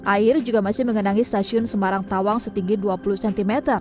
air juga masih mengenangi stasiun semarang tawang setinggi dua puluh cm